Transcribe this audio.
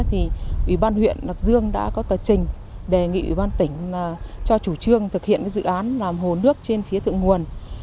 thì ủy ban huyện lạc dương đã có tờ trình đề nghị ủy ban tỉnh cho chủ trương thực hiện dự án làm hồ nước trên phía thượng nguồn